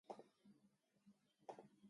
どうもこうどこまでも廊下じゃ仕方ないね